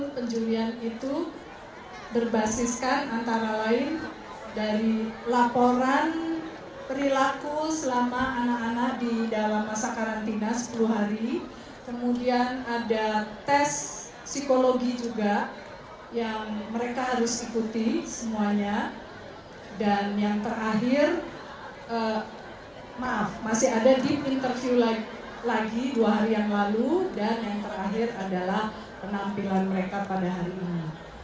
maaf masih ada deep interview lagi dua hari yang lalu dan yang terakhir adalah penampilan mereka pada hari ini